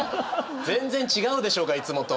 全然違うでしょうがいつもと。